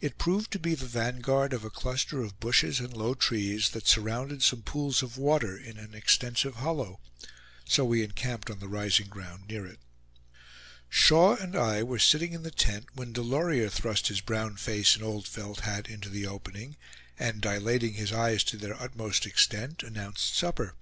It proved to be the vanguard of a cluster of bushes and low trees, that surrounded some pools of water in an extensive hollow; so we encamped on the rising ground near it. Shaw and I were sitting in the tent, when Delorier thrust his brown face and old felt hat into the opening, and dilating his eyes to their utmost extent, announced supper.